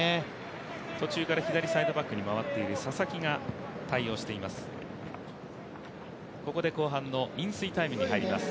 途中から左サイドバックに回っている佐々木が対応しています。